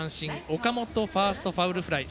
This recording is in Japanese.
岡本ファーストファウルフライ。